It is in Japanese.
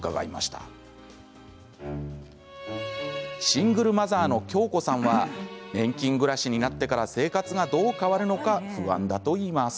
シングルマザーの今日子さんは年金暮らしになってから生活がどう変わるのか不安だといいます。